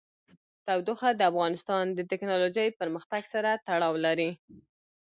تودوخه د افغانستان د تکنالوژۍ پرمختګ سره تړاو لري.